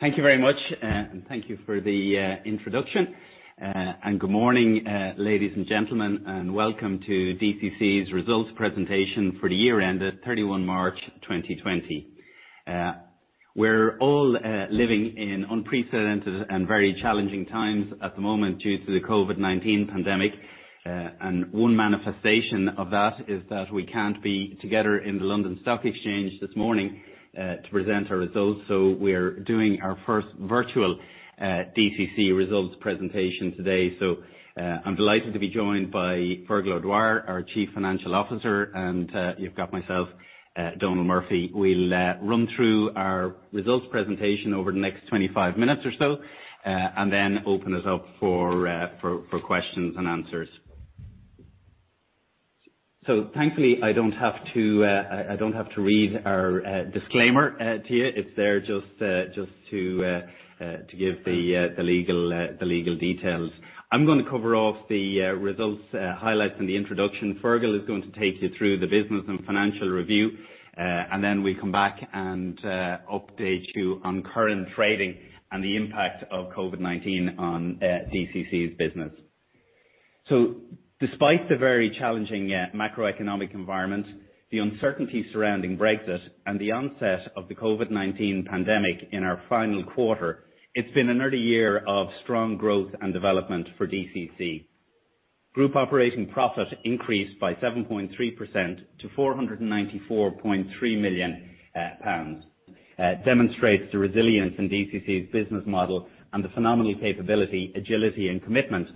Thank you very much, and thank you for the introduction. Good morning, ladies and gentlemen, and welcome to DCC's results presentation for the year ended 31 March 2020. We're all living in unprecedented and very challenging times at the moment due to the COVID-19 pandemic. One manifestation of that is that we can't be together in the London Stock Exchange this morning to present our results, so we're doing our first virtual DCC results presentation today. I'm delighted to be joined by Fergal O'Dwyer, our Chief Financial Officer, and you've got myself, Donal Murphy. We'll run through our results presentation over the next 25 minutes or so, and then open it up for questions and answers. Thankfully, I don't have to read our disclaimer to you. It's there just to give the legal details. I'm going to cover all of the results highlights and the introduction. Fergal is going to take you through the business and financial review. We come back and update you on current trading and the impact of COVID-19 on DCC's business. Despite the very challenging macroeconomic environment, the uncertainty surrounding Brexit and the onset of the COVID-19 pandemic in our final quarter, it's been another year of strong growth and development for DCC. Group operating profit increased by 7.3% to 494.3 million pounds. It demonstrates the resilience in DCC's business model and the phenomenal capability, agility, and commitment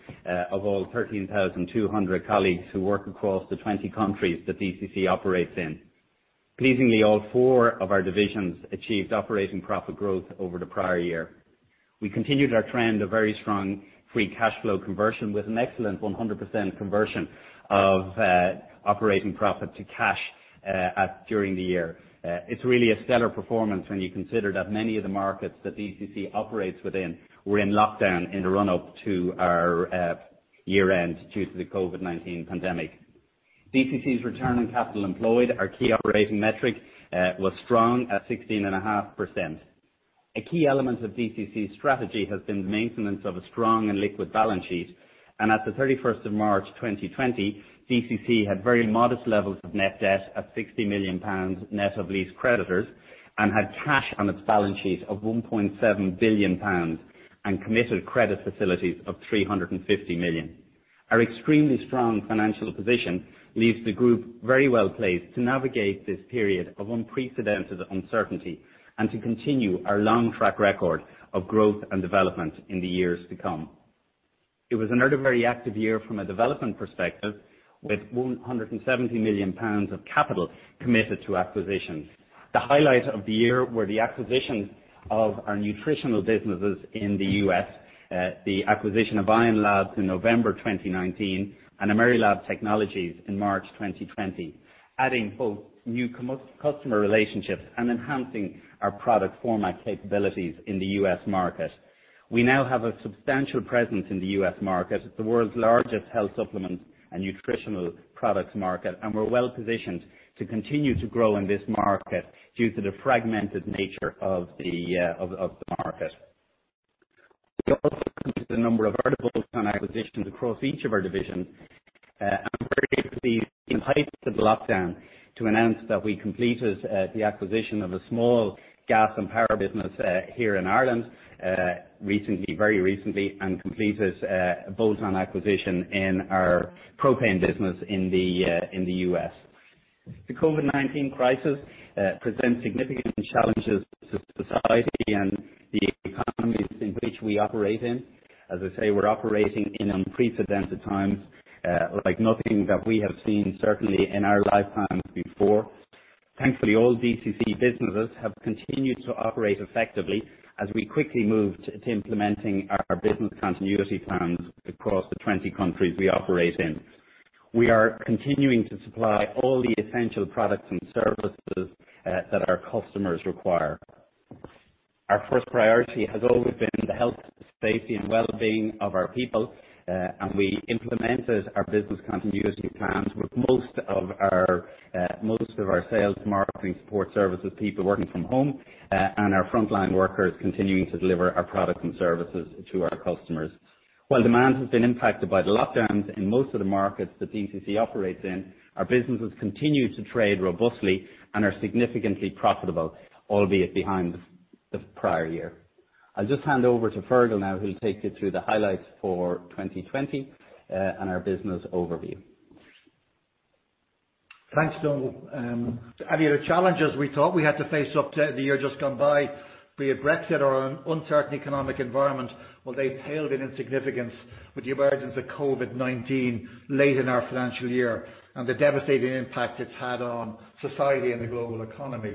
of all 13,200 colleagues who work across the 20 countries that DCC operates in. Pleasingly, all four of our divisions achieved operating profit growth over the prior year. We continued our trend of very strong free cash flow conversion with an excellent 100% conversion of operating profit to cash during the year. It's really a stellar performance when you consider that many of the markets that DCC operates within were in lockdown in the run-up to our year-end due to the COVID-19 pandemic. DCC's return on capital employed, our key operating metric, was strong at 16.5%. A key element of DCC's strategy has been the maintenance of a strong and liquid balance sheet. At the 31st of March 2020, DCC had very modest levels of net debt at 60 million pounds net of lease creditors and had cash on its balance sheet of 1.7 billion pounds and committed credit facilities of 350 million. Our extremely strong financial position leaves the group very well-placed to navigate this period of unprecedented uncertainty and to continue our long track record of growth and development in the years to come. It was another very active year from a development perspective with 170 million pounds of capital committed to acquisitions. The highlight of the year were the acquisition of our nutritional businesses in the U.S., the acquisition of Ion Labs in November 2019, and Amerilab Technologies in March 2020, adding both new customer relationships and enhancing our product format capabilities in the U.S. market. We now have a substantial presence in the U.S. market. It's the world's largest health supplements and nutritional products market, we're well-positioned to continue to grow in this market due to the fragmented nature of the market. We also completed a number of vertical acquisitions across each of our divisions, and I'm very pleased, in height of the lockdown, to announce that we completed the acquisition of a small gas and power business here in Ireland recently, very recently, and completed a bolt-on acquisition in our DCC Propane business in the U.S. The COVID-19 crisis presents significant challenges to society and the economies in which we operate in. As I say, we're operating in unprecedented times, like nothing that we have seen, certainly in our lifetimes before. Thankfully, all DCC businesses have continued to operate effectively as we quickly moved to implementing our business continuity plans across the 20 countries we operate in. We are continuing to supply all the essential products and services that our customers require. Our first priority has always been the health, safety, and well-being of our people, and we implemented our business continuity plans with most of our sales, marketing, support services people working from home, and our frontline workers continuing to deliver our products and services to our customers. While demand has been impacted by the lockdowns in most of the markets that DCC operates in, our businesses continue to trade robustly and are significantly profitable, albeit behind the prior year. I'll just hand over to Fergal now, who'll take you through the highlights for 2020, and our business overview. Thanks, Donal. The challenges we thought we had to face up to the year just gone by, be it Brexit or an uncertain economic environment, well, they paled in significance with the emergence of COVID-19 late in our financial year and the devastating impact it's had on society and the global economy.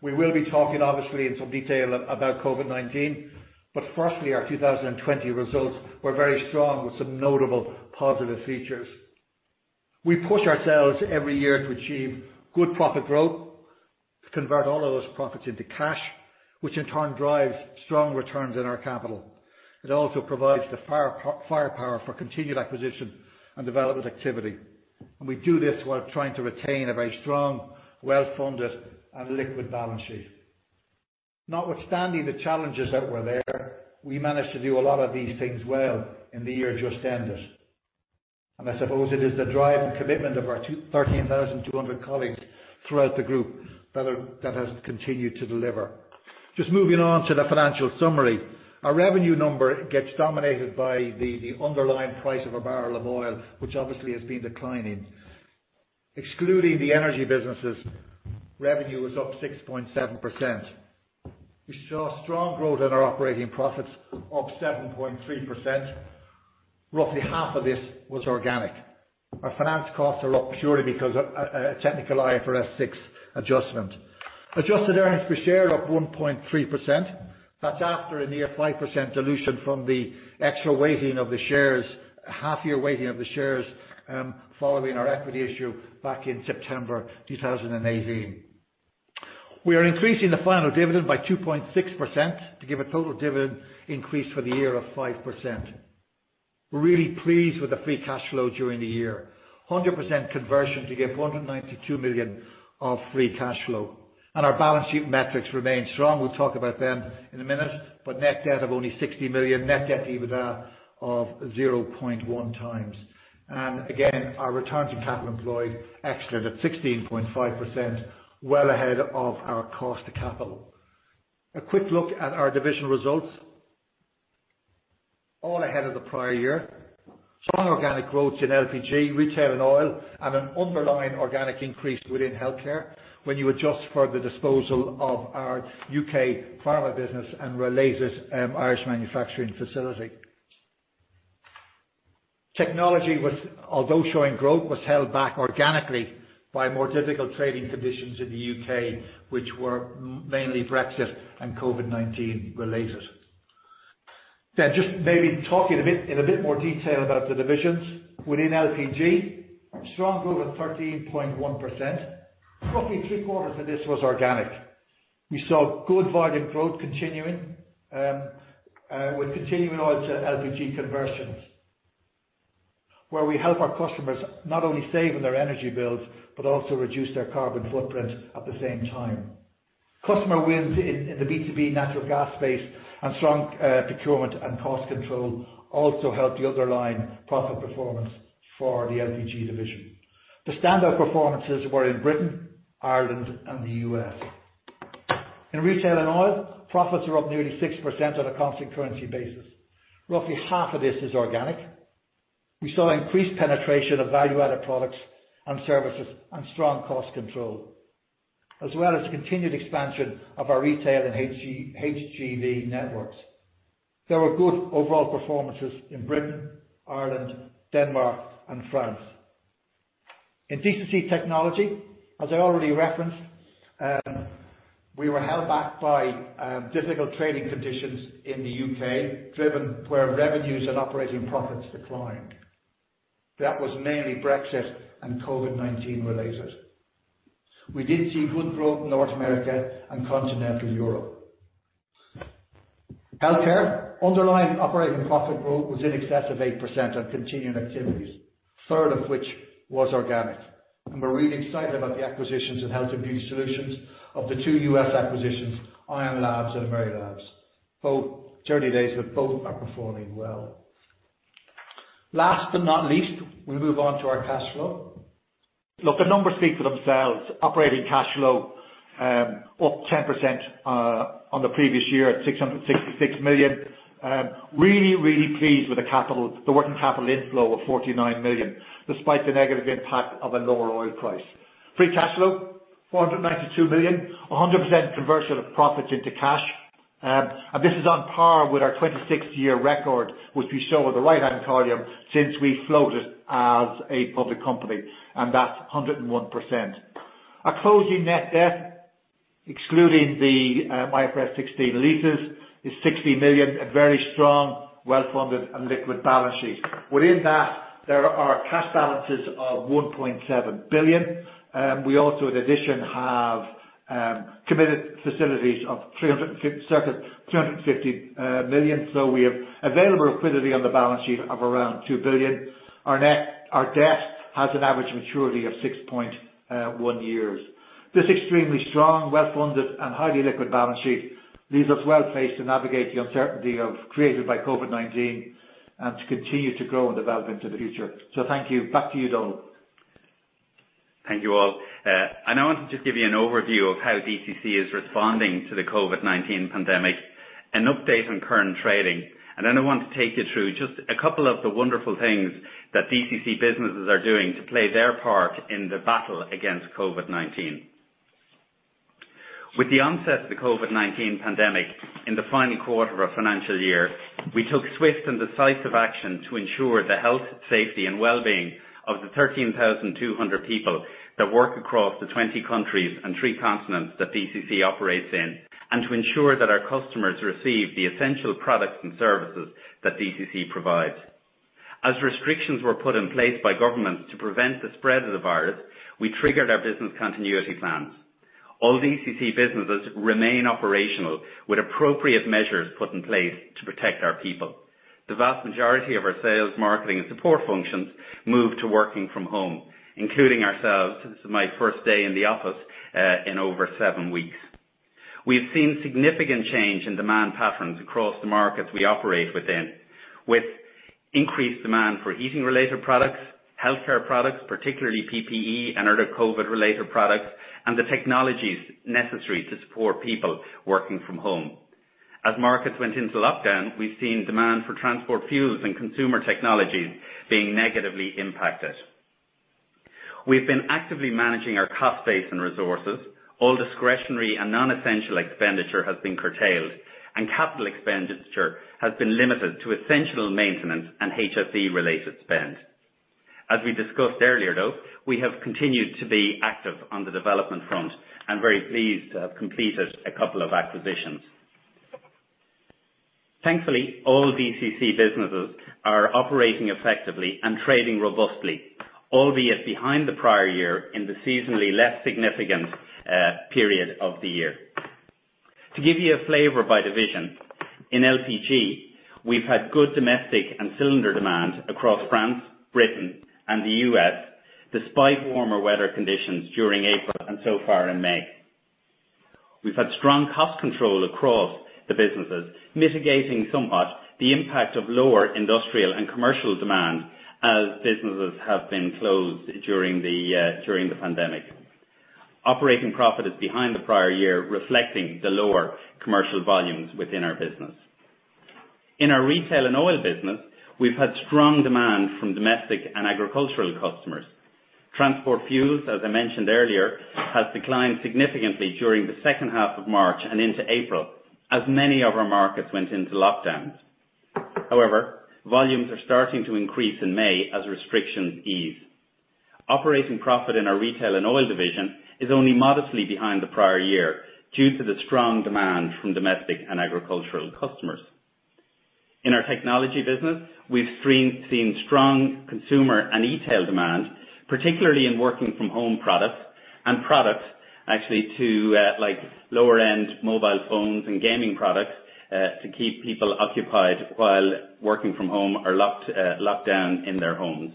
We will be talking obviously in some detail about COVID-19, but firstly, our 2020 results were very strong with some notable positive features. We push ourselves every year to achieve good profit growth, to convert all of those profits into cash, which in turn drives strong returns in our capital. It also provides the firepower for continued acquisition and development activity. We do this while trying to retain a very strong, well-funded, and liquid balance sheet. Notwithstanding the challenges that were there, we managed to do a lot of these things well in the year just ended. I suppose it is the drive and commitment of our 13,200 colleagues throughout the group that has continued to deliver. Just moving on to the financial summary. Our revenue number gets dominated by the underlying price of a barrel of oil, which obviously has been declining. Excluding the energy businesses, revenue was up 6.7%. We saw strong growth in our operating profits, up 7.3%. Roughly half of this was organic. Our finance costs are up purely because of a technical IFRS 16 adjustment. Adjusted earnings per share up 1.3%. That's after a near 5% dilution from the extra weighting of the shares, half-year weighting of the shares, following our equity issue back in September 2018. We are increasing the final dividend by 2.6% to give a total dividend increase for the year of 5%. We're really pleased with the free cash flow during the year. 100% conversion to give 492 million of free cash flow. Our balance sheet metrics remain strong. We'll talk about them in a minute. Net debt of only 60 million, net debt/EBITDA of 0.1 times. Again, our return to capital employed, excellent, at 16.5%, well ahead of our cost to capital. A quick look at our division results. All ahead of the prior year. Strong organic growth in LPG, DCC Retail & Oil, and an underlying organic increase within DCC Healthcare when you adjust for the disposal of our U.K. pharma business and related Irish manufacturing facility. DCC Technology was, although showing growth, was held back organically by more difficult trading conditions in the U.K., which were mainly Brexit and COVID-19 related. Just maybe talking a bit, in a bit more detail about the divisions. Within LPG, strong growth of 13.1%. Roughly three quarters of this was organic. We saw good volume growth continuing, with continuing oil to LPG conversions, where we help our customers not only save on their energy bills, but also reduce their carbon footprint at the same time. Customer wins in the B2B natural gas space and strong procurement and cost control also helped the underlying profit performance for the LPG division. The standout performances were in Britain, Ireland, and the U.S. In Retail and Oil, profits are up nearly 6% on a constant currency basis. Roughly half of this is organic. We saw increased penetration of value-added products and services and strong cost control, as well as the continued expansion of our retail and HGV networks. There were good overall performances in Britain, Ireland, Denmark, and France. In DCC Technology, as I already referenced, we were held back by difficult trading conditions in the U.K., driven where revenues and operating profits declined. That was mainly Brexit and COVID-19 related. We did see good growth in North America and Continental Europe. Healthcare. Underlying operating profit growth was in excess of 8% on continuing activities, a third of which was organic. We're really excited about the acquisitions of Health and Beauty Solutions of the two U.S. acquisitions, Ion Laboratories and Amerilab Technologies. Both, 30 days, both are performing well. Last but not least, we move on to our cash flow. Look, the numbers speak for themselves. Operating cash flow up 10% on the previous year at 666 million. Really, really pleased with the working capital inflow of 49 million, despite the negative impact of a lower oil price. Free cash flow, 492 million. 100% conversion of profits into cash. This is on par with our 26-year record, which we show on the right-hand column since we floated as a public company, and that's 101%. Our closing net debt, excluding the IFRS 16 leases, is 60 million. A very strong, well-funded, and liquid balance sheet. Within that, there are cash balances of 1.7 billion. We also, in addition, have committed facilities of 300 and, circa 350 million. We have available liquidity on the balance sheet of around 2 billion. Our debt has an average maturity of 6.1 years. This extremely strong, well-funded, and highly liquid balance sheet leaves us well-placed to navigate the uncertainty created by COVID-19 and to continue to grow and develop into the future. Thank you. Back to you, Donal. Thank you all. I want to just give you an overview of how DCC is responding to the COVID-19 pandemic, an update on current trading, and then I want to take you through just a couple of the wonderful things that DCC businesses are doing to play their part in the battle against COVID-19. With the onset of the COVID-19 pandemic in the final quarter of our financial year, we took swift and decisive action to ensure the health, safety, and well-being of the 13,200 people that work across the 20 countries and three continents that DCC operates in, and to ensure that our customers receive the essential products and services that DCC provides. As restrictions were put in place by governments to prevent the spread of the virus, we triggered our business continuity plans. All DCC businesses remain operational with appropriate measures put in place to protect our people. The vast majority of our sales, marketing, and support functions moved to working from home, including ourselves. This is my first day in the office in over seven weeks. We've seen significant change in demand patterns across the markets we operate within, with increased demand for heating related products, healthcare products, particularly PPE and other COVID-19 related products, and the technologies necessary to support people working from home. As markets went into lockdown, we've seen demand for transport fuels and consumer technologies being negatively impacted. We've been actively managing our cost base and resources. All discretionary and non-essential expenditure has been curtailed, and capital expenditure has been limited to essential maintenance and HSE related spend. As we discussed earlier though, we have continued to be active on the development front and very pleased to have completed a couple of acquisitions. Thankfully, all DCC businesses are operating effectively and trading robustly, albeit behind the prior year in the seasonally less significant period of the year. To give you a flavor by division, in LPG, we've had good domestic and cylinder demand across France, Britain, and the U.S. despite warmer weather conditions during April and so far in May. We've had strong cost control across the businesses, mitigating somewhat the impact of lower industrial and commercial demand as businesses have been closed during the pandemic. Operating profit is behind the prior year, reflecting the lower commercial volumes within our business. In our Retail and Oil business, we've had strong demand from domestic and agricultural customers. Transport fuels, as I mentioned earlier, has declined significantly during the second half of March and into April, as many of our markets went into lockdowns. Volumes are starting to increase in May as restrictions ease. Operating profit in our DCC Retail & Oil division is only modestly behind the prior year due to the strong demand from domestic and agricultural customers. In our DCC Technology business, we've seen strong consumer and e-tail demand, particularly in working from home products and products actually to lower-end mobile phones and gaming products to keep people occupied while working from home or locked down in their homes.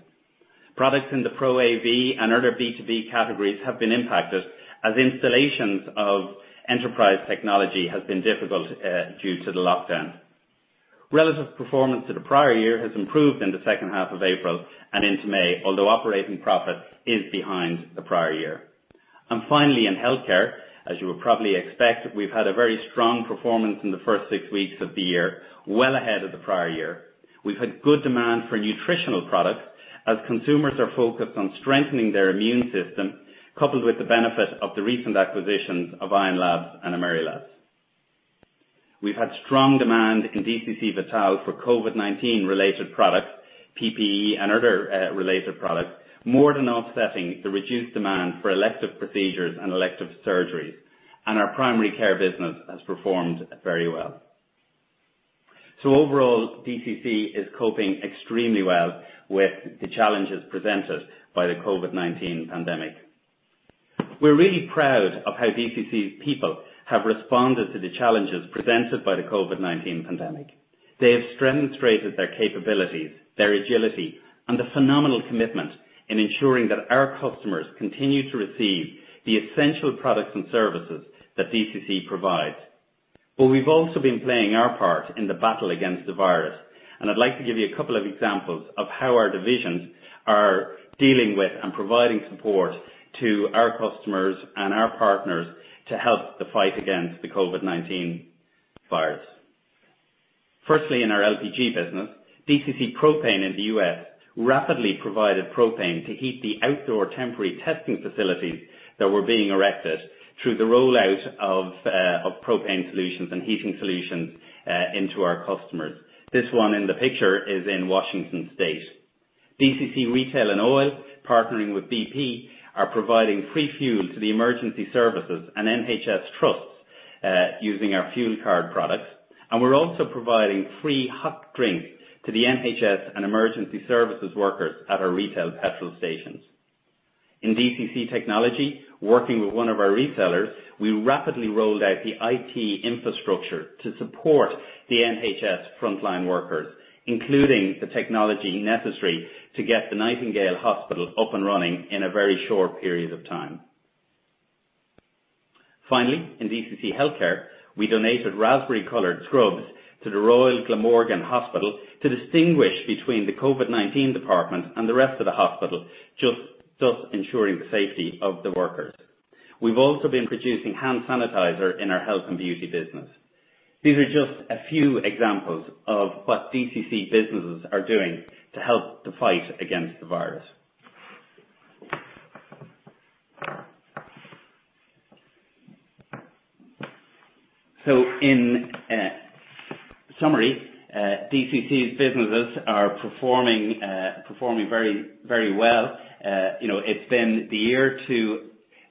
Products in the Pro AV and other B2B categories have been impacted as installations of enterprise technology has been difficult due to the lockdown. Relative performance to the prior year has improved in the second half of April and into May, although operating profit is behind the prior year. Finally, in DCC Healthcare, as you would probably expect, we've had a very strong performance in the first six weeks of the year, well ahead of the prior year. We've had good demand for nutritional products as consumers are focused on strengthening their immune system, coupled with the benefit of the recent acquisitions of Ion Labs and Amerilab. We've had strong demand in DCC Vital for COVID-19 related products, PPE and other related products, more than offsetting the reduced demand for elective procedures and elective surgeries. Our primary care business has performed very well. Overall, DCC is coping extremely well with the challenges presented by the COVID-19 pandemic. We're really proud of how DCC people have responded to the challenges presented by the COVID-19 pandemic. They have demonstrated their capabilities, their agility, and the phenomenal commitment in ensuring that our customers continue to receive the essential products and services that DCC provides. We've also been playing our part in the battle against the virus, and I'd like to give you a couple of examples of how our divisions are dealing with and providing support to our customers and our partners to help the fight against the COVID-19 virus. Firstly, in our LPG business, DCC Propane in the U.S. rapidly provided propane to heat the outdoor temporary testing facilities that were being erected through the rollout of propane solutions and heating solutions into our customers. This one in the picture is in Washington State. DCC Retail & Oil, partnering with BP, are providing free fuel to the emergency services and NHS trusts, using our fuel card products. We're also providing free hot drinks to the NHS and emergency services workers at our retail petrol stations. In DCC Technology, working with one of our resellers, we rapidly rolled out the IT infrastructure to support the NHS frontline workers, including the technology necessary to get the Nightingale Hospital up and running in a very short period of time. Finally, in DCC Healthcare, we donated raspberry colored scrubs to the Royal Glamorgan Hospital to distinguish between the COVID-19 department and the rest of the hospital, thus ensuring the safety of the workers. We've also been producing hand sanitizer in our health and beauty business. These are just a few examples of what DCC businesses are doing to help the fight against the virus. In summary, DCC's businesses are performing very well.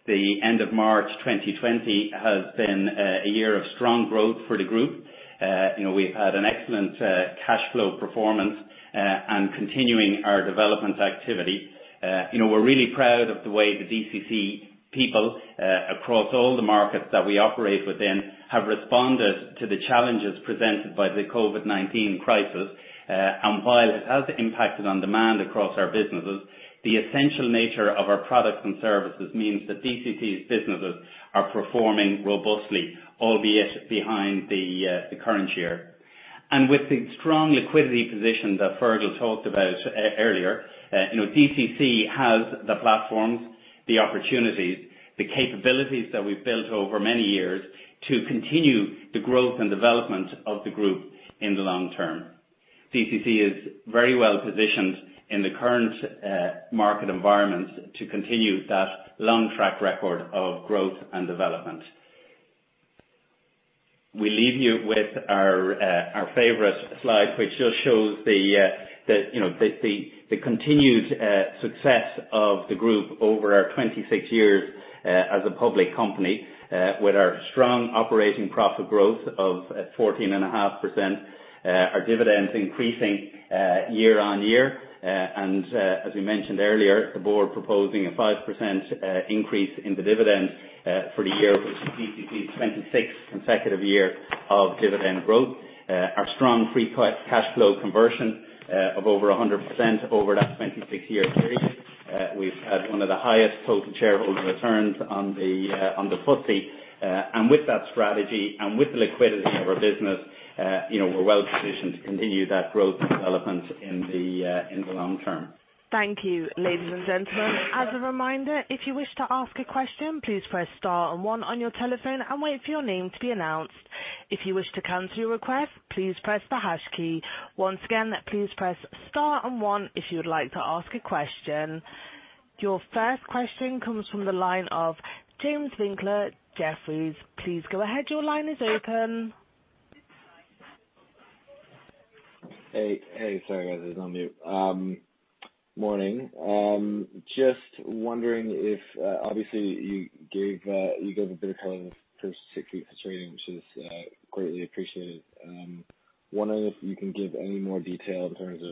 The end of March 2020 has been a year of strong growth for the group. We've had an excellent cash flow performance, and continuing our development activity. We're really proud of the way the DCC people, across all the markets that we operate within, have responded to the challenges presented by the COVID-19 crisis. While it has impacted on demand across our businesses, the essential nature of our products and services means that DCC's businesses are performing robustly, albeit behind the current year. With the strong liquidity position that Fergal talked about earlier, DCC has the platforms, the opportunities, the capabilities that we've built over many years to continue the growth and development of the group in the long term. DCC is very well positioned in the current market environment to continue that long track record of growth and development. We leave you with our favorite slide, which just shows the continued success of the group over our 26 years as a public company, with our strong operating profit growth of 14.5%, our dividends increasing year on year and, as we mentioned earlier, the board proposing a 5% increase in the dividend for the year, which is DCC's 26 consecutive year of dividend growth. Our strong free cash flow conversion of over 100% over that 26-year period. We've had one of the highest total shareholder returns on the FTSE. With that strategy and with the liquidity of our business, we're well positioned to continue that growth and development in the long term. Thank you, ladies and gentlemen. As a reminder, if you wish to ask a question, please press star and one on your telephone and wait for your name to be announced. If you wish to cancel your request, please press the hash key. Once again, please press star and one if you would like to ask a question. Your first question comes from the line of James Winkler at Jefferies. Please go ahead. Your line is open. Hey. Sorry, guys. I was on mute. Morning. Just wondering if, obviously, you gave a bit of color on the first six weeks of trading, which is greatly appreciated. Wondering if you can give any more detail in terms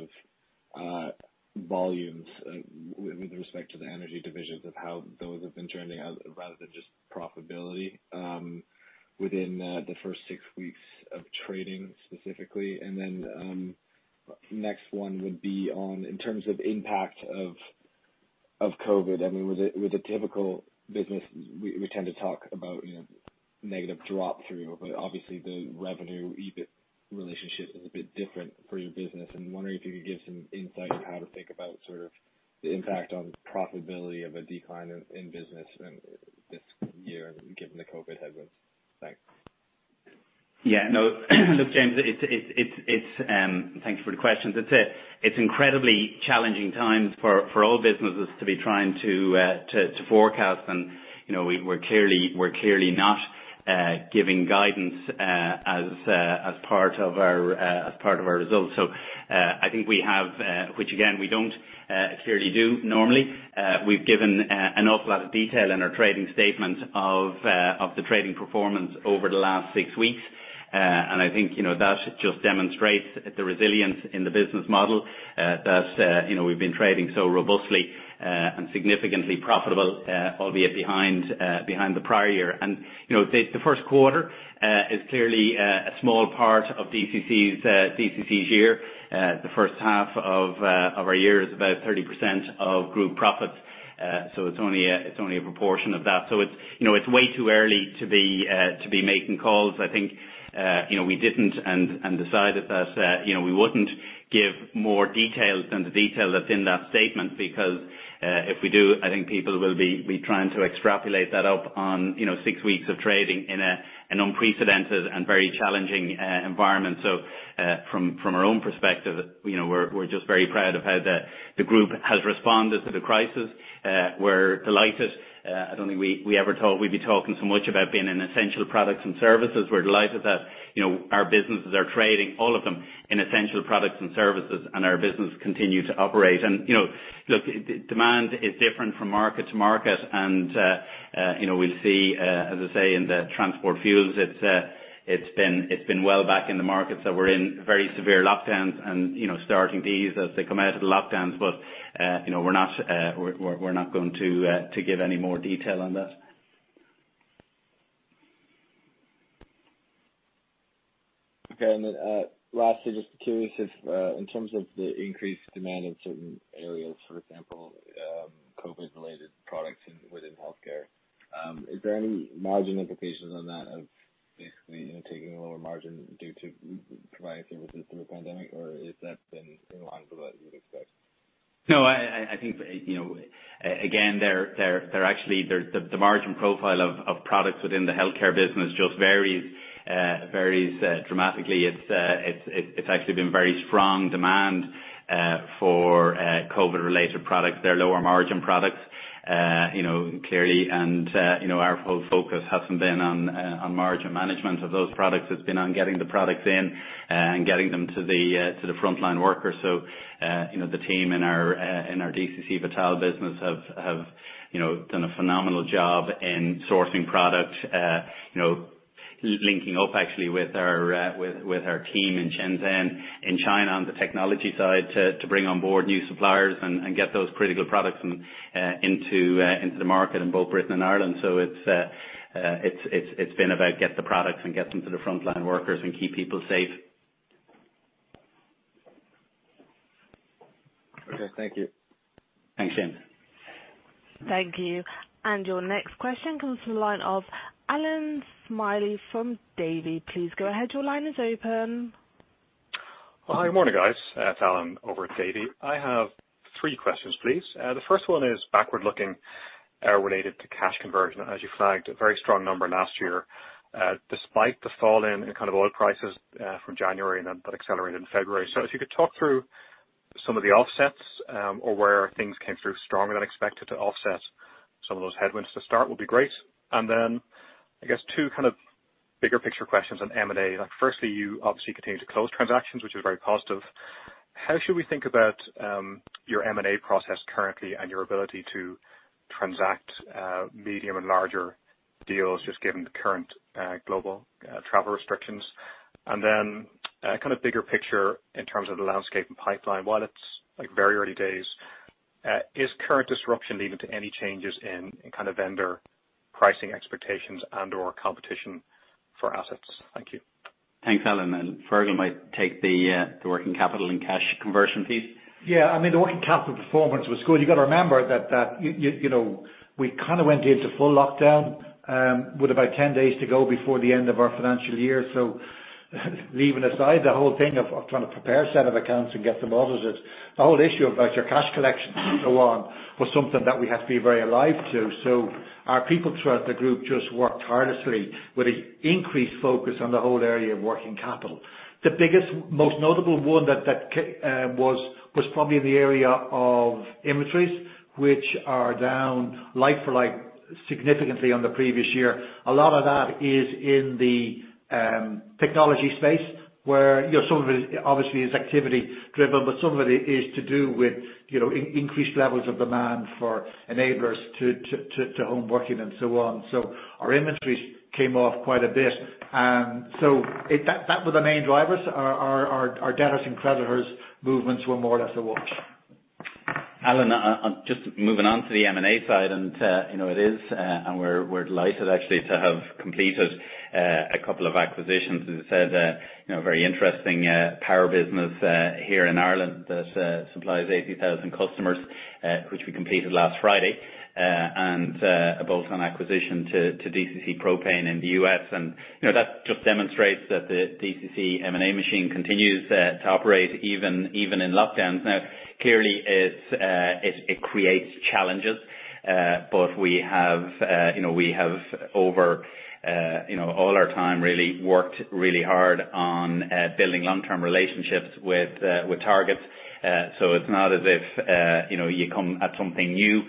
of volumes with respect to the energy divisions, of how those have been trending, rather than just profitability within the first six weeks of trading specifically. Next one would be on, in terms of impact of COVID-19, with a typical business, we tend to talk about negative drop through, but obviously the revenue relationship is a bit different for your business. I'm wondering if you could give some insight on how to think about sort of the impact on profitability of a decline in business this year, given the COVID-19 headwinds. Thanks. Yeah. Look, James, thank you for the question. It's incredibly challenging times for all businesses to be trying to forecast. We're clearly not giving guidance as part of our results. I think we have, which again, we don't clearly do normally. We've given an awful lot of detail in our trading statement of the trading performance over the last six weeks. I think that just demonstrates the resilience in the business model, that we've been trading so robustly and significantly profitable, albeit behind the prior year. The first quarter is clearly a small part of DCC's year. The first half of our year is about 30% of group profits. It's only a proportion of that. It's way too early to be making calls. I think we didn't and decided that we wouldn't give more details than the detail that's in that statement. If we do, I think people will be trying to extrapolate that up on six weeks of trading in an unprecedented and very challenging environment. From our own perspective, we're just very proud of how the group has responded to the crisis. We're delighted. I don't think we'd be talking so much about being in essential products and services. We're delighted that our businesses are trading, all of them, in essential products and services, and our business continue to operate. Look, demand is different from market to market. We'll see, as I say, in the transport fuels, it's been well back in the markets that were in very severe lockdowns and starting to ease as they come out of the lockdowns. We're not going to give any more detail on that. Okay. Lastly, just curious if, in terms of the increased demand in certain areas, for example, COVID-related products within healthcare, is there any margin implications on that of basically taking a lower margin due to providing services through a pandemic, or is that in line with what you'd expect? No. Again, the margin profile of products within the healthcare business just varies dramatically. It's actually been very strong demand for COVID-related products. They're lower margin products, clearly. Our whole focus hasn't been on margin management of those products. It's been on getting the products in and getting them to the frontline workers. The team in our DCC Vital business have done a phenomenal job in sourcing product. Linking up actually with our team in Shenzhen, in China, on the technology side to bring on board new suppliers and get those critical products into the market in both Britain and Ireland. It's been about get the products and get them to the frontline workers and keep people safe. Okay, thank you. Thanks, Jim. Thank you. Your next question comes from the line of Allan Smylie from Davy. Please go ahead. Your line is open. Well, hi. Morning, guys. It's Allan over at Davy. I have three questions, please. The first one is backward-looking, related to cash conversion. As you flagged, a very strong number last year, despite the fall in kind of oil prices from January, and then that accelerated in February. If you could talk through some of the offsets, or where things came through stronger than expected to offset some of those headwinds to start, would be great. I guess two kind of bigger picture questions on M&A. Firstly, you obviously continue to close transactions, which is very positive. How should we think about your M&A process currently and your ability to transact medium and larger deals, just given the current global travel restrictions? Kind of bigger picture in terms of the landscape and pipeline, while it's very early days, is current disruption leading to any changes in kind of vendor pricing expectations and/or competition for assets? Thank you. Thanks, Allan. Fergal might take the working capital and cash conversion piece. Yeah, I mean, the working capital performance was good. You've got to remember that we kind of went into full lockdown, with about 10 days to go before the end of our financial year. Leaving aside the whole thing of trying to prepare a set of accounts and get them audited, the whole issue about your cash collection and so on was something that we had to be very alive to. Our people throughout the group just worked tirelessly with an increased focus on the whole area of working capital. The biggest, most notable one was probably in the area of inventories, which are down like for like, significantly on the previous year. A lot of that is in the technology space, where some of it obviously is activity driven, but some of it is to do with increased levels of demand for enablers to home working and so on. Our inventories came off quite a bit. That was the main drivers. Our debtors and creditors movements were more or less a wash. Allan, just moving on to the M&A side, we're delighted actually to have completed a couple of acquisitions. As I said, a very interesting power business here in Ireland that supplies 80,000 customers, which we completed last Friday, a bolt-on acquisition to DCC Propane in the U.S. That just demonstrates that the DCC M&A machine continues to operate even in lockdowns. Clearly it creates challenges, we have over all our time really worked really hard on building long-term relationships with targets. It's not as if you come at something new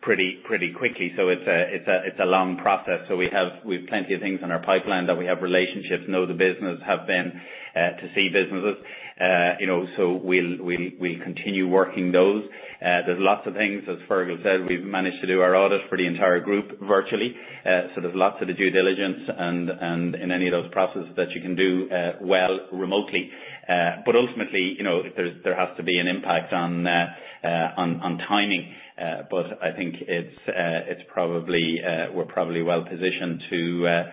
pretty quickly. It's a long process. We've plenty of things in our pipeline that we have relationships, know the business, have been to see businesses. We'll continue working those. There's lots of things, as Fergal said, we've managed to do our audit for the entire group virtually. There's lots of the due diligence and any of those processes that you can do well remotely. Ultimately, there has to be an impact on timing. I think we're probably well positioned to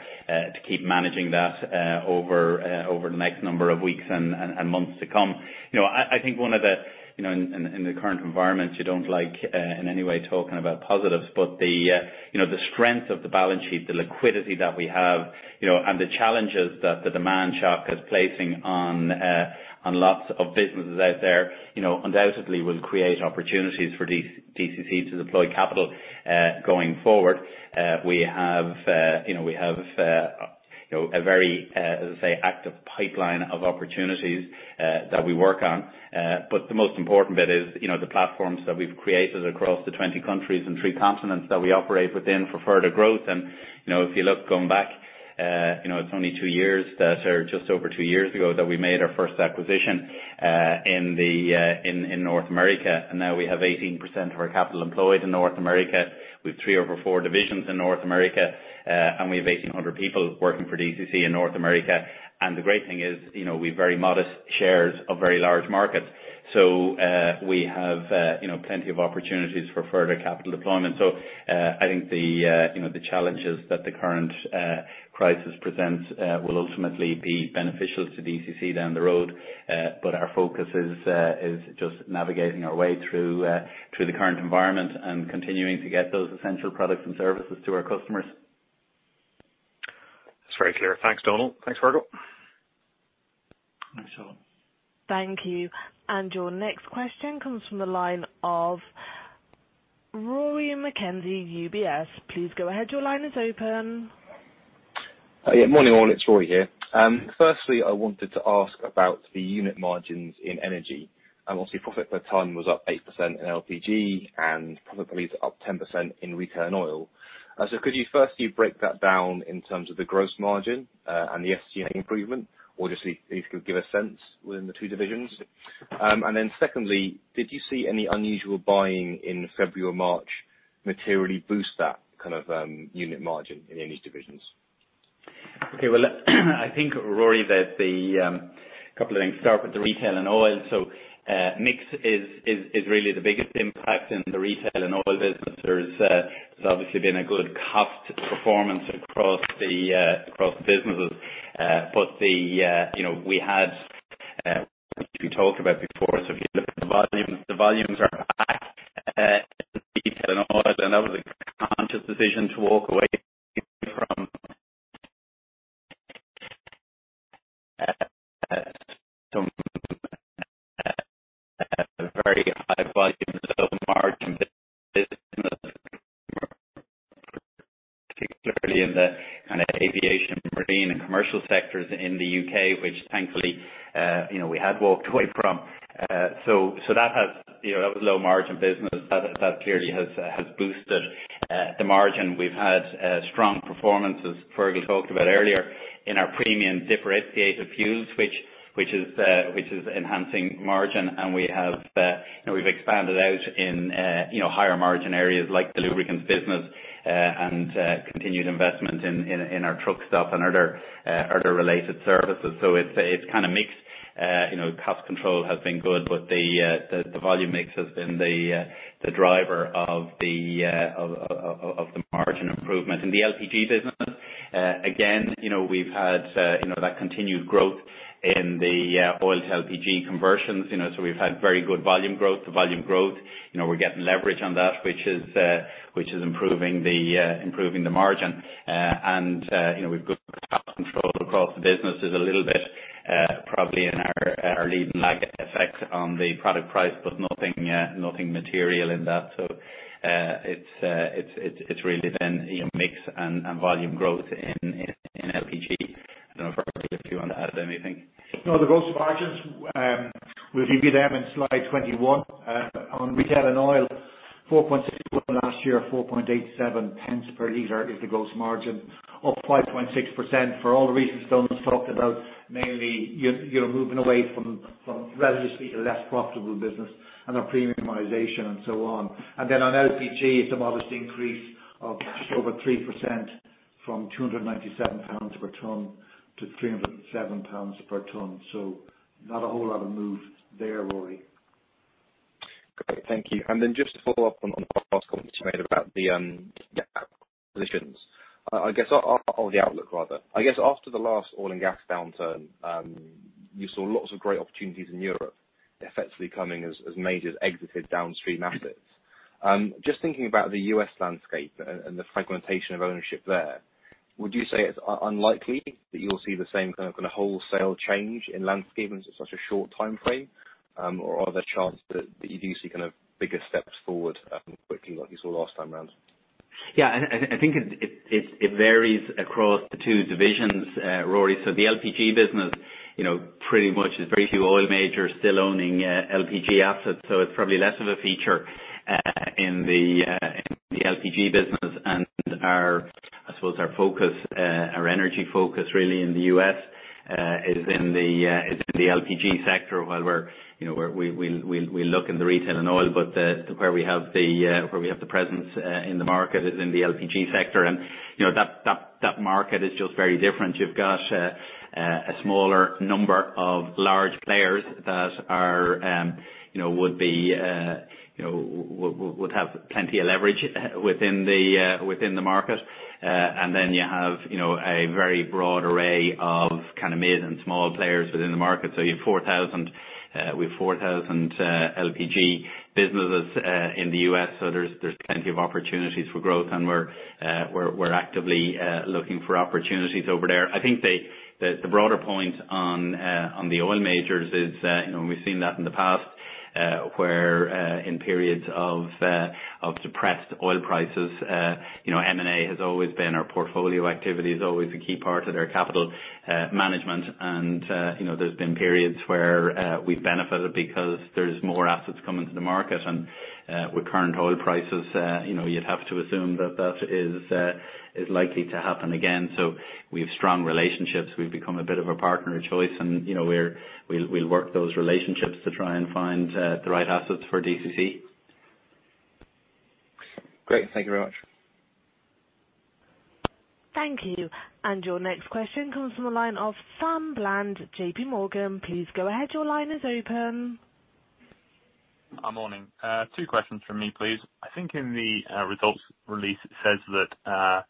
keep managing that over the next number of weeks and months to come. I think in the current environment, you don't like, in any way, talking about positives, but the strength of the balance sheet, the liquidity that we have, and the challenges that the demand shock is placing on lots of businesses out there undoubtedly will create opportunities for DCC to deploy capital going forward. We have a very, how do I say, active pipeline of opportunities that we work on. The most important bit is the platforms that we've created across the 20 countries and three continents that we operate within for further growth. If you look, going back, it's only two years, or just over two years ago that we made our first acquisition in North America, and now we have 18% of our capital employed in North America. We have three over four divisions in North America, and we have 1,800 people working for DCC in North America. The great thing is, we've very modest shares of very large markets. We have plenty of opportunities for further capital deployment. I think the challenges that the current crisis presents will ultimately be beneficial to DCC down the road. Our focus is just navigating our way through the current environment and continuing to get those essential products and services to our customers. That's very clear. Thanks, Donal. Thanks, Fergal. Thanks, Allan. Thank you. Your next question comes from the line of Rory McKenzie, UBS. Please go ahead. Your line is open. Yeah, morning, all. It's Rory here. Firstly, I wanted to ask about the unit margins in energy. Obviously, profit per ton was up 8% in LPG and profit was up 10% in retail oil. Could you firstly break that down in terms of the gross margin, and the SG&A improvement? Just if you could give a sense within the two divisions. Secondly, did you see any unusual buying in February or March materially boost that kind of unit margin in any divisions? Okay. Well, I think, Rory, that the-- couple of things. Start with the DCC Retail & Oil. Mix is really the biggest impact in the DCC Retail & Oil business. There's obviously been a good cost performance across the businesses. We talked about before. If you look at the volumes, the volumes are back, DCC Retail & Oil, and that was a conscious decision to walk away from very high volume, low margin business, particularly in the aviation, marine, and commercial sectors in the U.K., which thankfully, we had walked away from. That was low margin business. That clearly has boosted the margin. We've had strong performance, as Fergal talked about earlier, in our premium differentiated fuels, which is enhancing margin. We've expanded out in higher margin areas like the lubricants business, and continued investment in our truck stop and other related services. It's kind of mixed. Cost control has been good, but the volume mix has been the driver of the margin improvement. In the LPG business, again, we've had that continued growth in the oil-to-LPG conversions. We've had very good volume growth. The volume growth, we're getting leverage on that, which is improving the margin. We've good cost control across the business. There's a little bit probably in our lead and lag effect on the product price, nothing material in that. It's really been mix and volume growth in LPG. I don't know, Fergie, if you want to add anything. No. The gross margins, we'll give you them in slide 21. On DCC Retail & Oil, 0.0461 last year, 0.0487 per liter is the gross margin. Up 5.6% for all the reasons Donal's talked about, mainly you're moving away from relatively less profitable business and are premiumization and so on. On LPG, it's a modest increase of just over 3% from 297 pounds per ton to 307 pounds per ton. Not a whole lot of move there, Rory. Great. Thank you. Just to follow up on the last comment you made about the positions, or the outlook rather. I guess after the last oil and gas downturn, you saw lots of great opportunities in Europe effectively coming as majors exited downstream assets. Just thinking about the U.S. landscape and the fragmentation of ownership there, would you say it's unlikely that you'll see the same kind of wholesale change in landscape in such a short timeframe? Are there chances that you do see kind of bigger steps forward quickly like you saw last time around? I think it varies across the two divisions, Rory. The LPG business, pretty much there's very few oil majors still owning LPG assets, so it's probably less of a feature in the LPG business. I suppose our focus, our energy focus really in the U.S., is in the LPG sector. While we look in the retail and oil, but where we have the presence in the market is in the LPG sector. That market is just very different. You've got a smaller number of large players that would have plenty of leverage within the market. Then you have a very broad array of mid and small players within the market. We've 4,000 LPG businesses in the U.S., so there's plenty of opportunities for growth, and we're actively looking for opportunities over there. I think the broader point on the oil majors is, we've seen that in the past, where in periods of depressed oil prices, M&A has always been our portfolio activity, is always a key part of their capital management. There's been periods where we've benefited because there's more assets coming to the market. With current oil prices, you'd have to assume that that is likely to happen again. We have strong relationships. We've become a bit of a partner of choice, and we'll work those relationships to try and find the right assets for DCC. Great. Thank you very much. Thank you. Your next question comes from the line of Sam Bland, JP Morgan. Please go ahead. Your line is open. Morning. Two questions from me, please. I think in the results release, it says that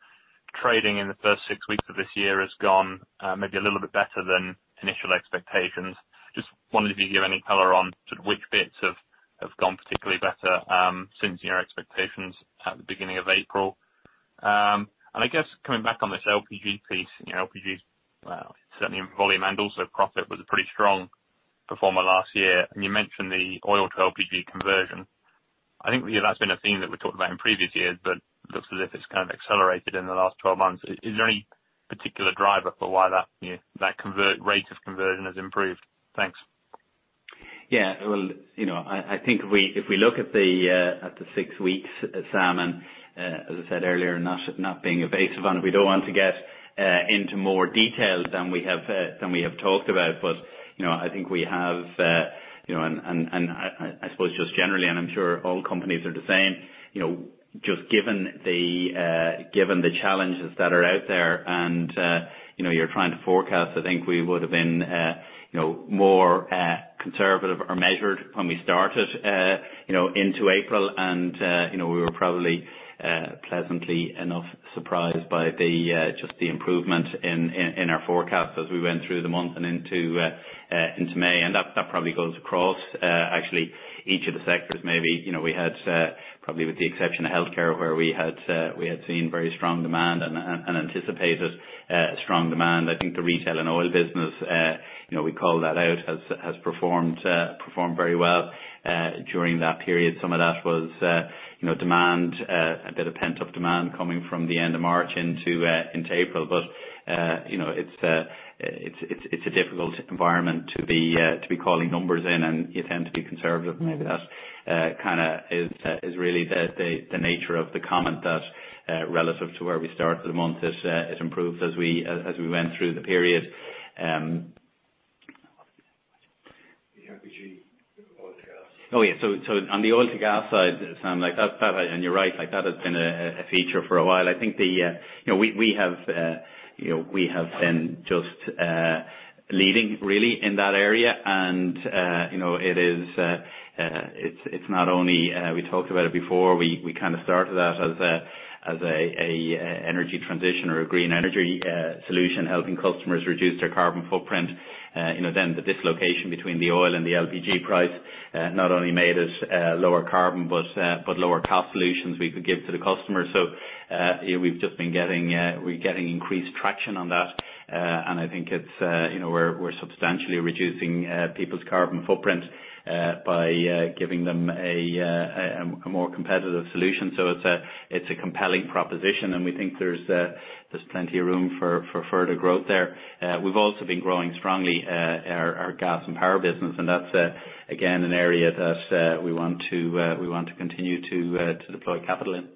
trading in the first six weeks of this year has gone maybe a little bit better than initial expectations. Just wondering if you can give any color on which bits have gone particularly better since your expectations at the beginning of April. I guess coming back on this LPG piece, LPG is certainly in volume and also profit, was a pretty strong performer last year. You mentioned the oil-to-LPG conversion. I think that's been a theme that we talked about in previous years, but looks as if it's kind of accelerated in the last 12 months. Is there any particular driver for why that rate of conversion has improved? Thanks. I think if we look at the six weeks, Sam, as I said earlier, not being evasive, we don't want to get into more detail than we have talked about, I think we have, I suppose just generally, I'm sure all companies are the same, just given the challenges that are out there and you're trying to forecast, I think we would've been more conservative or measured when we started into April. We were probably pleasantly enough surprised by just the improvement in our forecast as we went through the month and into May. That probably goes across actually each of the sectors, maybe. We had, probably with the exception of healthcare, where we had seen very strong demand and anticipated strong demand. I think the retail and oil business, we called that out, has performed very well during that period. Some of that was demand, a bit of pent-up demand coming from the end of March into April. It's a difficult environment to be calling numbers in, and you tend to be conservative. Maybe that kind of is really the nature of the comment that, relative to where we started the month, it improved as we went through the period. The LPG oil to gas. Oh, yeah. On the oil to gas side, Sam, and you're right, that has been a feature for a while. I think we have been just leading, really, in that area. It's not only, we talked about it before, we kind of started out as an energy transition or a green energy solution, helping customers reduce their carbon footprint. The dislocation between the oil and the LPG price not only made us lower carbon, but lower cost solutions we could give to the customer. We're getting increased traction on that. I think we're substantially reducing people's carbon footprint by giving them a more competitive solution. It's a compelling proposition, and we think there's plenty of room for further growth there. We've also been growing strongly our gas and power business, and that's, again, an area that we want to continue to deploy capital in.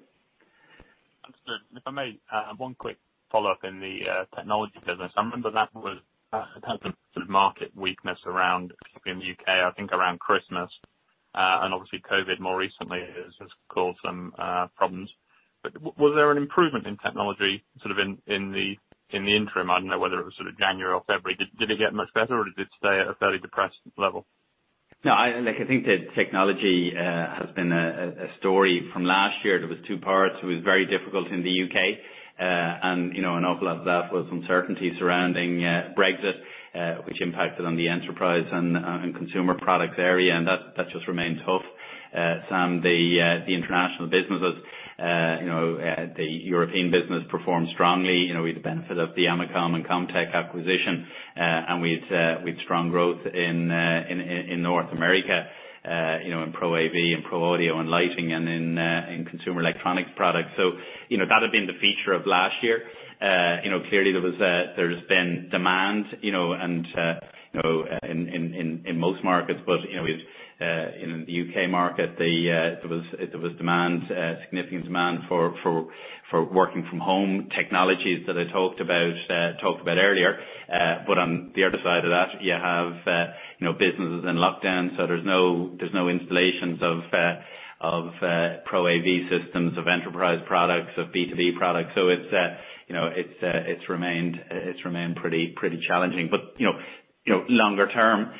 Understood. If I may, one quick follow-up in the technology business. I remember that had some sort of market weakness around, particularly in the U.K., I think around Christmas. Obviously COVID-19 more recently has caused some problems. Was there an improvement in technology sort of in the interim? I don't know whether it was sort of January or February. Did it get much better, or did it stay at a fairly depressed level? No, I think the technology has been a story from last year. There was two parts. It was very difficult in the U.K., and an awful lot of that was uncertainty surrounding Brexit, which impacted on the enterprise and consumer products area, and that just remained tough. Sam, the international businesses, the European business performed strongly. We had the benefit of the Amacom and COMM-TEC GmbH acquisition, and we had strong growth in North America, in Pro AV, in Pro Audio, in lighting, and in consumer electronics products. That had been the feature of last year. Clearly there's been demand in most markets. In the U.K. market, there was significant demand for working from home technologies that I talked about earlier. On the other side of that, you have businesses in lockdown, so there's no installations of Pro AV systems, of enterprise products, of B2B products. It's remained pretty challenging. Longer term,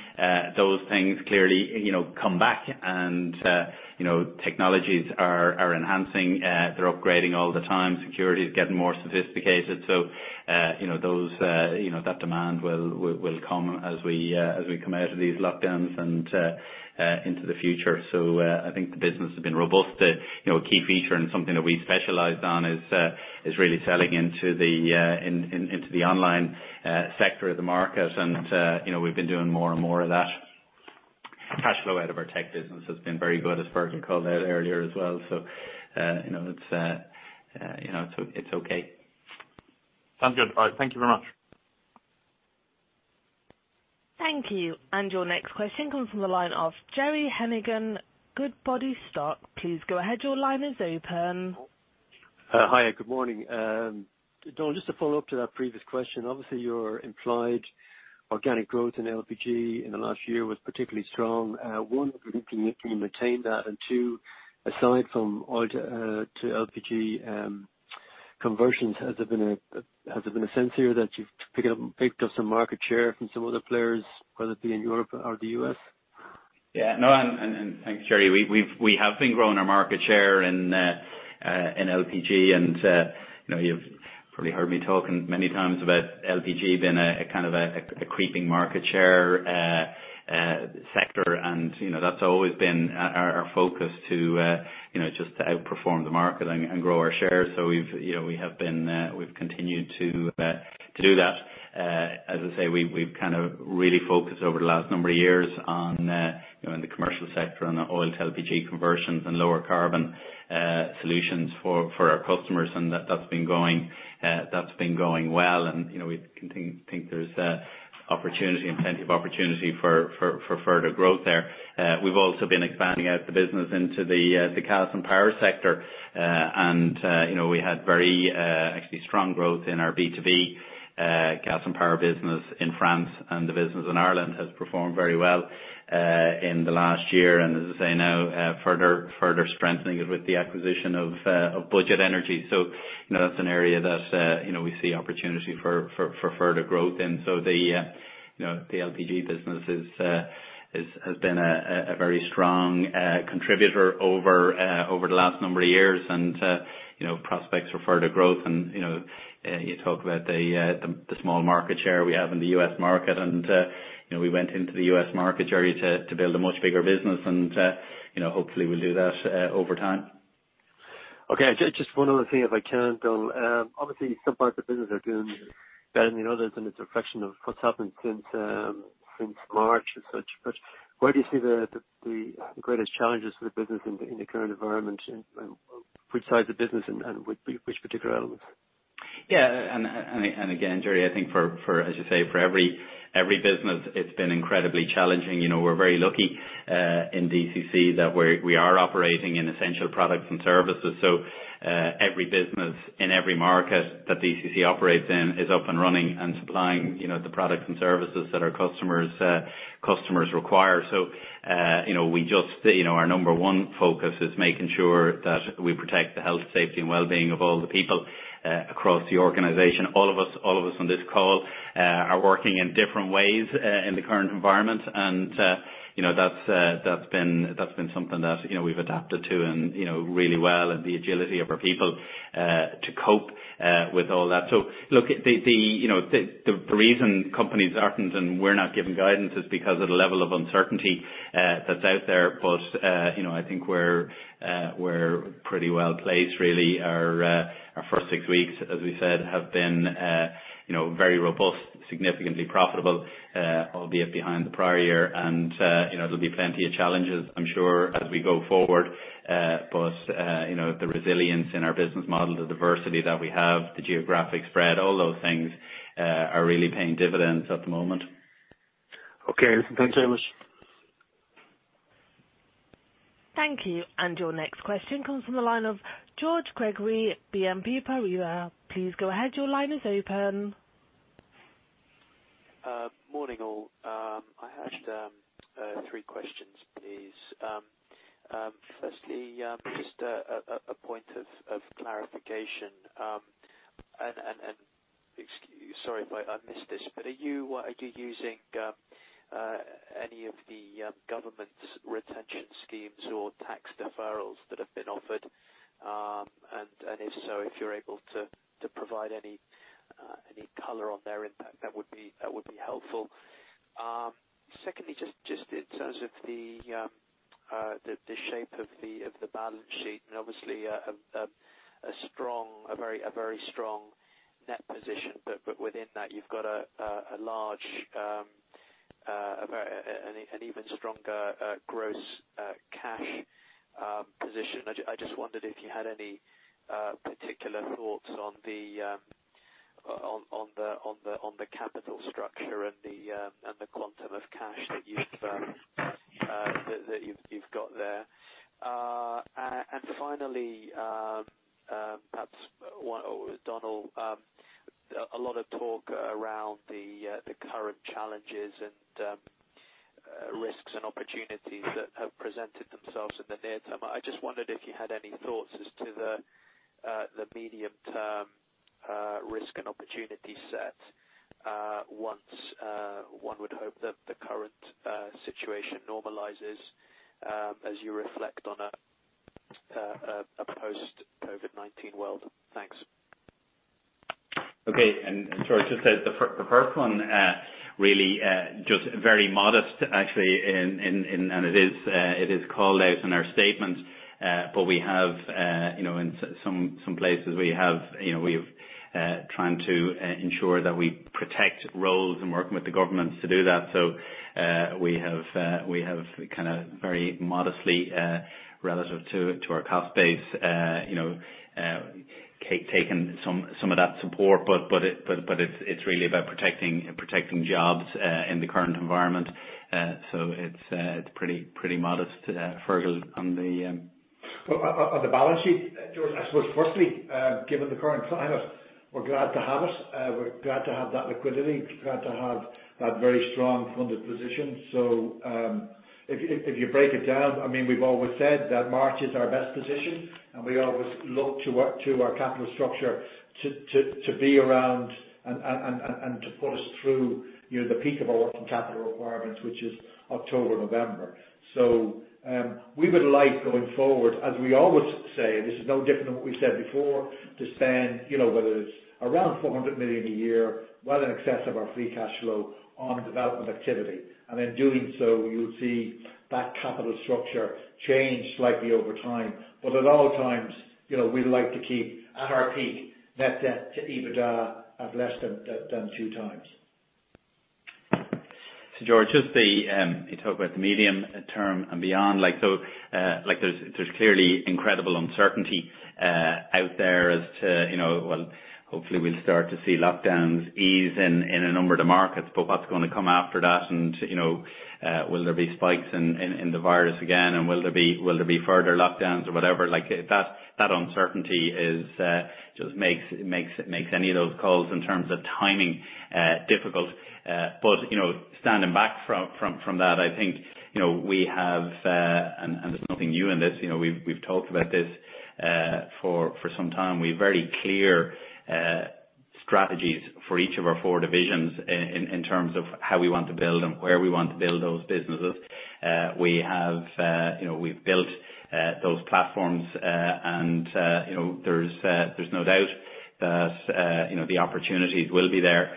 those things clearly come back and technologies are enhancing. They're upgrading all the time. Security is getting more sophisticated. That demand will come as we come out of these lockdowns and into the future. I think the business has been robust. A key feature and something that we specialized on is really selling into the online sector of the market, and we've been doing more and more of that. Cash flow out of our tech business has been very good, as Fergal called out earlier as well. It's okay. Sounds good. All right. Thank you very much. Thank you. Your next question comes from the line of Gerry Heneghan, Goodbody Stockbrokers. Please go ahead. Your line is open. Hi, good morning. Don, just to follow up to that previous question, obviously your implied organic growth in LPG in the last year was particularly strong. One, do you think you can maintain that? Two, aside from oil to LPG conversions, has there been a sense here that you've picked up some market share from some other players, whether it be in Europe or the U.S.? Yeah. No, thank you, Gerry. We have been growing our market share in LPG, and you've probably heard me talking many times about LPG being a kind of a creeping market share sector. That's always been our focus to outperform the market and grow our shares. We've continued to do that. As I say, we've kind of really focused over the last number of years on the commercial sector and the oil-to-LPG conversions and lower carbon solutions for our customers. That's been going well and we think there's plenty of opportunity for further growth there. We've also been expanding out the business into the gas and power sector. We had very, actually strong growth in our B2B gas and power business in France. The business in Ireland has performed very well in the last year. As I say now, further strengthening it with the acquisition of Budget Energy. That's an area that we see opportunity for further growth in. The LPG business has been a very strong contributor over the last number of years and prospects for further growth. You talk about the small market share we have in the U.S. market. We went into the U.S. market, Gerry, to build a much bigger business. Hopefully we'll do that over time. Okay. Just one other thing, if I can, Donal. Obviously, some parts of the business are doing better than others, and it's a reflection of what's happened since March and such. Where do you see the greatest challenges for the business in the current environment? Which sides of business and which particular elements? Again, Gerry, I think for, as you say, for every business, it's been incredibly challenging. We're very lucky, in DCC that we are operating in essential products and services. Every business in every market that DCC operates in is up and running and supplying the products and services that our customers require. Our number 1 focus is making sure that we protect the health, safety, and wellbeing of all the people across the organization. All of us on this call are working in different ways, in the current environment. That's been something that we've adapted to and really well and the agility of our people to cope with all that. Look, the reason companies aren't and we're not giving guidance is because of the level of uncertainty that's out there. I think we're pretty well placed really. Our first six weeks, as we said, have been very robust, significantly profitable, albeit behind the prior year. There'll be plenty of challenges, I'm sure, as we go forward. The resilience in our business model, the diversity that we have, the geographic spread, all those things are really paying dividends at the moment. Okay. Listen, thanks very much. Thank you. Your next question comes from the line of George Gregory, BNP Paribas. Please go ahead. Your line is open. Morning, all. I had three questions, please. Firstly, just a point of clarification, sorry if I missed this, are you using any of the government's retention schemes or tax deferrals that have been offered? If so, if you're able to provide any color on their impact, that would be helpful. Secondly, just in terms of the shape of the balance sheet and obviously a very strong net position. Within that, you've got a large, an even stronger gross cash position. I just wondered if you had any particular thoughts on the capital structure and the quantum of cash that you've got there. Finally, perhaps one, Donal, a lot of talk around the current challenges and risks and opportunities that have presented themselves in the near term. I just wondered if you had any thoughts as to the medium-term risk and opportunity set once, one would hope that the current situation normalizes, as you reflect on a post-COVID-19 world. Thanks. Okay. George, just the first one, really, just very modest actually and it is called out in our statement. We have, in some places we've trying to ensure that we protect roles and working with the governments to do that. We have kind of very modestly, relative to our cost base, taken some of that support. It's really about protecting jobs in the current environment. It's pretty modest. Fergal, on the- On the balance sheet, George, I suppose firstly, given the current climate, we're glad to have it. We're glad to have that liquidity. We're glad to have that very strong funded position. If you break it down, we've always said that March is our best position, and we always look to our capital structure to be around and to pull us through the peak of our working capital requirements, which is October, November. We would like going forward, as we always say, this is no different than what we said before, to spend whether it's around 400 million a year, well in excess of our free cash flow on development activity. In doing so, you'll see that capital structure change slightly over time. At all times, we'd like to keep at our peak, net debt to EBITDA at less than two times. George, you talk about the medium term and beyond. There's clearly incredible uncertainty out there as to, well, hopefully we'll start to see lockdowns ease in a number of the markets, but what's going to come after that and will there be spikes in the virus again, and will there be further lockdowns or whatever. That uncertainty just makes any of those calls in terms of timing difficult. Standing back from that, I think we have, and there's nothing new in this, we've talked about this for some time. We've very clear strategies for each of our four divisions in terms of how we want to build and where we want to build those businesses. We've built those platforms. There's no doubt that the opportunities will be there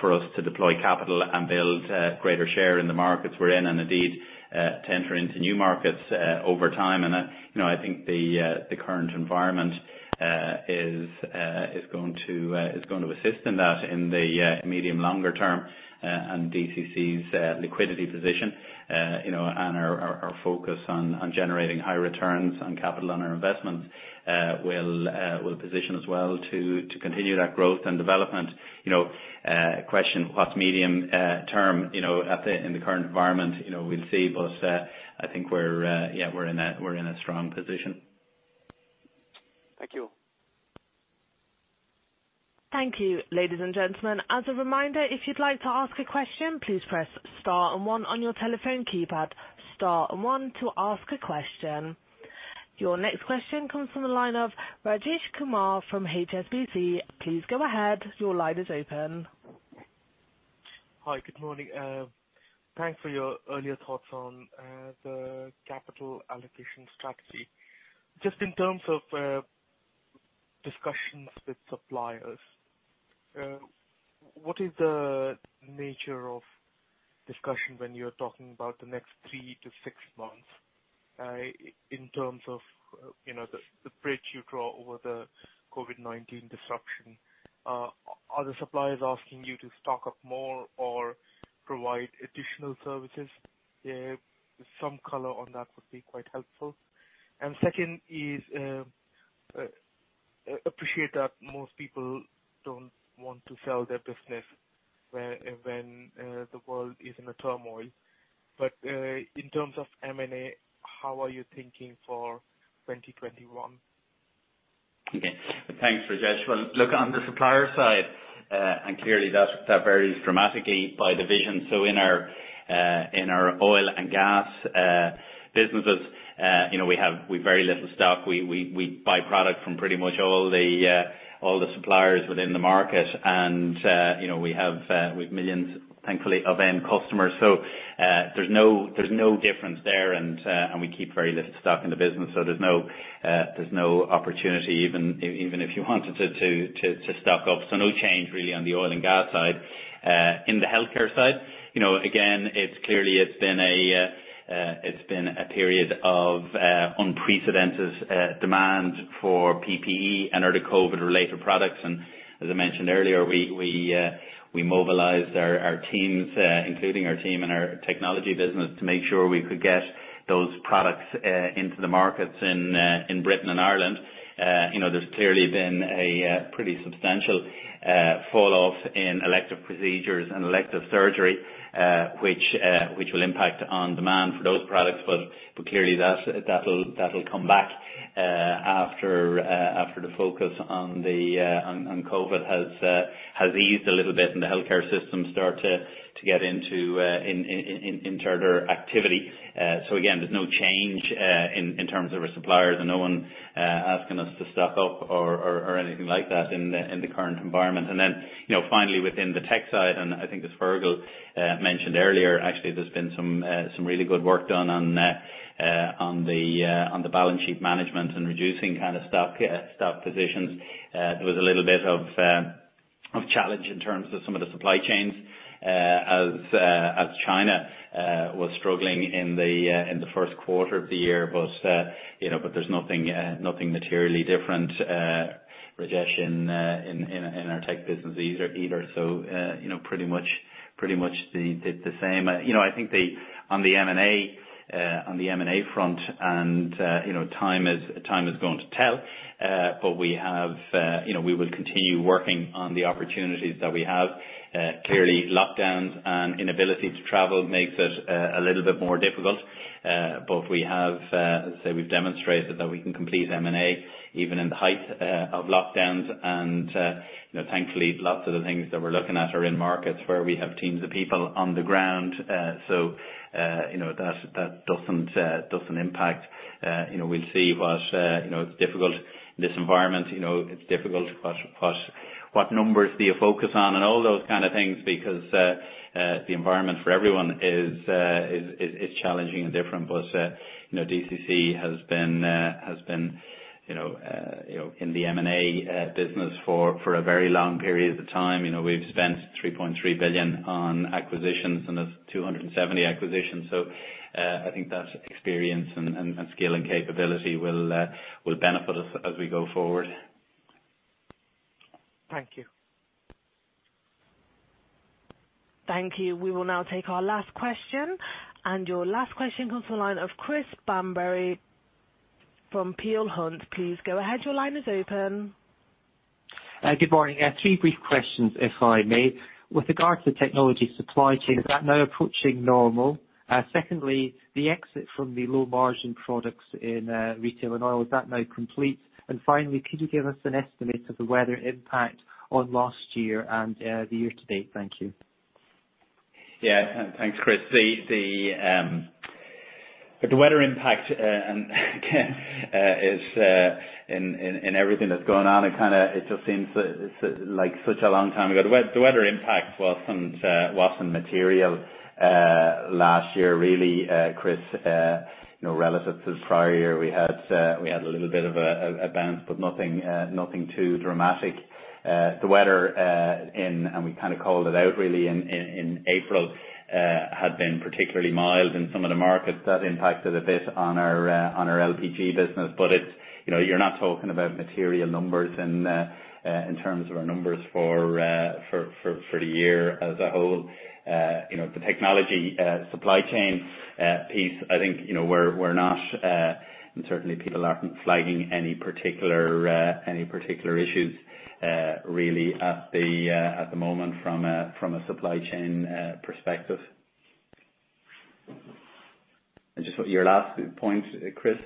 for us to deploy capital and build greater share in the markets we're in, and indeed, to enter into new markets over time. I think the current environment is going to assist in that in the medium longer term, and DCC's liquidity position and our focus on generating high returns on capital on our investments will position us well to continue that growth and development. Question, what's medium term in the current environment? We'll see, but I think we're in a strong position. Thank you. Thank you, ladies and gentlemen. As a reminder, if you'd like to ask a question, please press star and one on your telephone keypad. Star and one to ask a question. Your next question comes from the line of Rajesh Kumar from HSBC. Please go ahead. Your line is open. Hi. Good morning. Thanks for your earlier thoughts on the capital allocation strategy. Just in terms of discussions with suppliers, what is the nature of discussion when you're talking about the next three to six months, in terms of the bridge you draw over the COVID-19 disruption? Are the suppliers asking you to stock up more or provide additional services? Some color on that would be quite helpful. Second is, appreciate that most people don't want to sell their business when the world is in a turmoil. In terms of M&A, how are you thinking for 2021? Thanks, Rajesh. On the supplier side, clearly that varies dramatically by division. In our oil and gas businesses, we've very little stock. We buy product from pretty much all the suppliers within the market. We've millions, thankfully, of end customers. There's no difference there and we keep very little stock in the business, so there's no opportunity even if you wanted to stock up. No change really on the oil and gas side. In the healthcare side, again, clearly it's been a period of unprecedented demand for PPE and other COVID related products. As I mentioned earlier, we mobilized our teams, including our team and our technology business, to make sure we could get those products into the markets in Britain and Ireland. There's clearly been a pretty substantial fall off in elective procedures and elective surgery, which will impact on demand for those products. Clearly that'll come back after the focus on COVID has eased a little bit and the healthcare system start to get into BAU activity. Again, there's no change in terms of our suppliers and no one asking us to stock up or anything like that in the current environment. Then, finally within the tech side, and I think as Fergal mentioned earlier, actually, there's been some really good work done on the balance sheet management and reducing kind of stock positions. There was a little bit of challenge in terms of some of the supply chains, as China was struggling in the first quarter of the year. There's nothing materially different, Rajesh, in our tech business either. Pretty much the same. I think on the M&A front, and time is going to tell, but we will continue working on the opportunities that we have. Clearly lockdowns and inability to travel makes it a little bit more difficult. As I say, we've demonstrated that we can complete M&A even in the height of lockdowns. Thankfully, lots of the things that we're looking at are in markets where we have teams of people on the ground. That doesn't impact. We'll see. It's difficult in this environment. It's difficult what numbers do you focus on and all those kind of things, because the environment for everyone is challenging and different. DCC has been in the M&A business for a very long period of time. We've spent 3.3 billion on acquisitions, and that's 270 acquisitions. I think that experience and skill and capability will benefit us as we go forward. Thank you. Thank you. We will now take our last question. Your last question comes from the line of Christopher Bamberry from Peel Hunt. Please go ahead. Your line is open. Good morning. Three brief questions, if I may. With regard to the technology supply chain, is that now approaching normal? Secondly, the exit from the low-margin products in retail and oil, is that now complete? Finally, could you give us an estimate of the weather impact on last year and the year to date? Thank you. Thanks, Chris. With the weather impact and in everything that's gone on, it just seems like such a long time ago. The weather impact wasn't material last year really, Chris, relative to the prior year. We had a little bit of a bounce, but nothing too dramatic. The weather, we kind of called it out really in April, had been particularly mild in some of the markets. That impacted a bit on our LPG business. You're not talking about material numbers in terms of our numbers for the year as a whole. The technology supply chain piece, I think we're not, and certainly people aren't flagging any particular issues really at the moment from a supply chain perspective. Just your last point, Chris